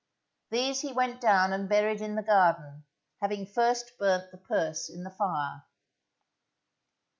These he went down and buried in the garden, having first burnt the purse in the fire.